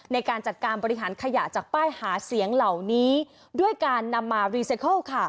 ในการจัดการบริหารขยะจากป้ายหาเสียงเหล่านี้ด้วยการนำมารีไซเคิล